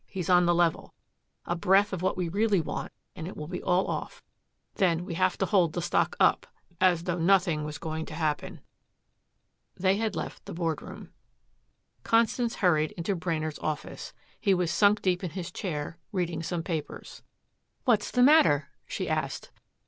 He's on the level. A breath of what we really want and it will be all off." "Then we'll have to hold the stock up, as though nothing was going to happen." They had left the board room. Constance hurried into Brainard's office. He was sunk deep in his chair reading some papers. "What's the matter?" she asked.